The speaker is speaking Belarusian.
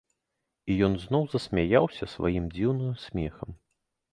І ён зноў засмяяўся сваім дзіўным смехам.